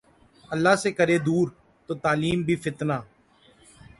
اللہ سے کرے دور ، تو تعلیم بھی فتنہ